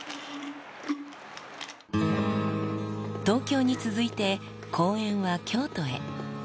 東京に続いて、公演は京都へ。